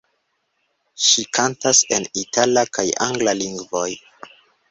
Ŝi kantas en itala kaj angla lingvoj.